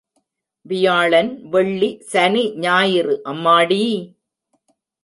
வியாழன், வெள்ளி, சனி, ஞாயிறு அம்மாடி!